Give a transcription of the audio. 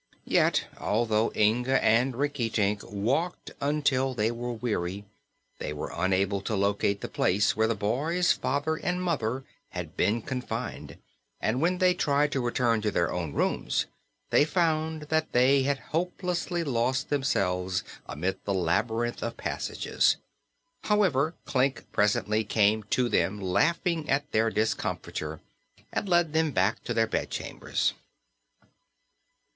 Yet, although Inga and Rinkitink walked until they were weary, they were unable to locate the place where the boy's father and mother had been confined, and when they tried to return to their own rooms they found that they had hopelessly lost themselves amid the labyrinth of passages. However, Klik presently came to them, laughing at their discomfiture, and led them back to their bedchambers.